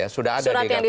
sudah ada di kakumdu